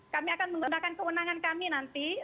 kami akan menggunakan kewenangan kami nanti